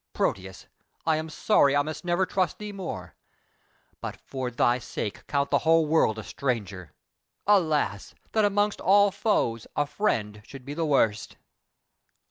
Proteus, I am sorry I must never trust thee more, but for thy sake count the whole world a stranger. Alas, that amongst all foes a friend should be the worst!"